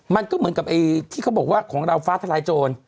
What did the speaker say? มันก็เหมือนกับที่เขาบอกว่าของเราฟ้าทลายโจร